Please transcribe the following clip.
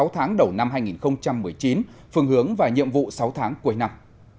sáu tháng đầu năm hai nghìn một mươi chín phương hướng và nhiệm vụ sáu tháng cuối năm